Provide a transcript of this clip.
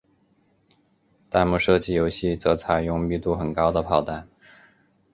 弹幕射击游戏则采用密度很高的炮弹。